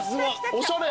おしゃれ。